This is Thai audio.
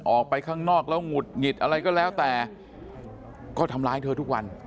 ออกไปข้างนอกแล้วหงุดหงิดอะไรก็แล้วแต่ก็ทำร้ายเธอทุกวัน